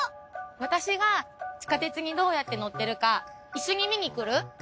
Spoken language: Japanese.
私が地下鉄にどうやって乗ってるか一緒に見に来る？